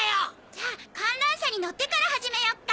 じゃあ観覧車に乗ってから始めよっか。